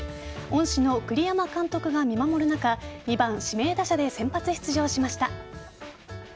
恩師の栗山監督が見守る中２番・指名打者で先発出場しました。